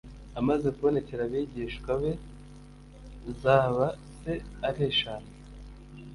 Amaze kubonekera abigishwa be zaba se ari eshanu